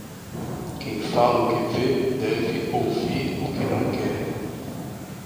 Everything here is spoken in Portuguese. Quem fala o que vê deve ouvir o que não quer.